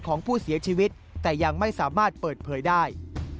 ของผู้เสียชีวิตแต่ยังไม่สามารถเปิดเผยได้